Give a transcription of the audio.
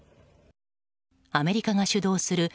アメリカが主導するＮＡＴＯ